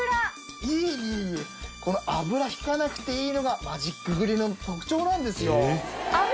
いえいえいえこれ油ひかなくていいのがマジックグリルの特徴なんですよ。